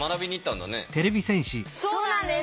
そうなんです。